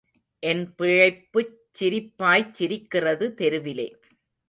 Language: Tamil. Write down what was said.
என் பிழைப்புச் சிரிப்பாய்ச்சிரிக்கிறது தெருவிலே.